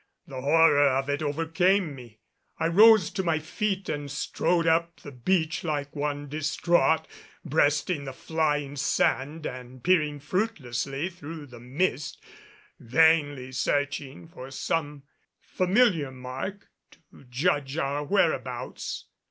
The horror of it overcame me! I rose to my feet and strode up the beach like one distraught, breasting the flying sand and peering fruitlessly through the mist, vainly searching for some familiar mark to judge of our whereabouts.